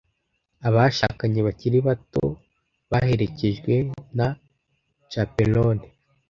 Abashakanye bakiri bato baherekejwe na chaperone.